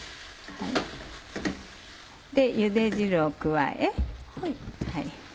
ゆで汁を加え。